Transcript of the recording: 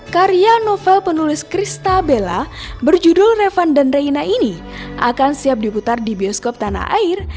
karya novel penulis krista bella berjudul revan dan reina ini akan siap diputar di bioskop tanah air